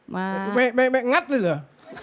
ไม่งัดเลยเหรอ